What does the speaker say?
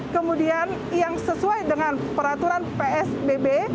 kemudian yang sesuai dengan peraturan psbb